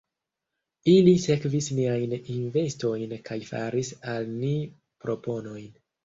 Ili sekvis niajn investojn kaj faris al ni proponojn.